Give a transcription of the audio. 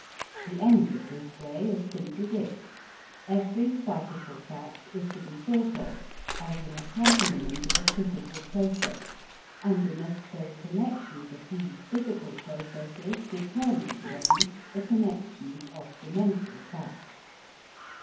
The end of this way is simply this: every psychical fact is to be thought of as an accompaniment of a physical process and the necessary connections of these physical processes determine, then, the connections of the mental facts.